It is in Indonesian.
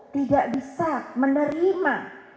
tidak bisa menerima